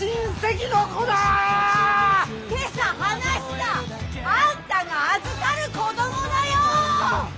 今朝話したあんたが預かる子どもだよ！